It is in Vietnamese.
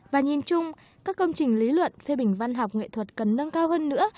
và nhìn chung các công trình lý luận phê bình văn học nghệ thuật cần nâng cao hơn nữa